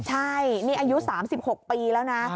ใช่นี่อายุ๓๖ปีแล้วนะ